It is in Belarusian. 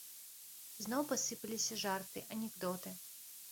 Зноў пасыпаліся жарты, анекдоты.